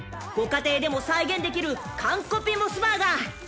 ［ご家庭でも再現できるカンコピモスバーガー］